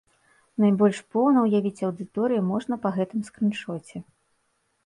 Найбольш поўна ўявіць аўдыторыю можна па гэтым скрыншоце.